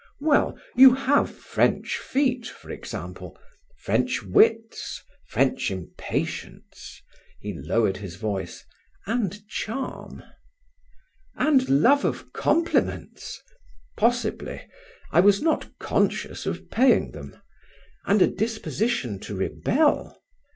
"Well, you have French feet, for example: French wits, French impatience," he lowered his voice, "and charm" "And love of compliments." "Possibly. I was not conscious of paying them" "And a disposition to rebel?"